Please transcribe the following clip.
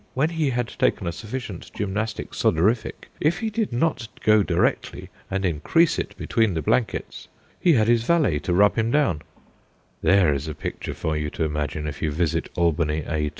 When he had taken a sufficient gymnastic sodorific, if he did not go directly and increase it between the blankets, he had his valet to rub him down/ There is a picture for you to imagine, if you visit Albany, A.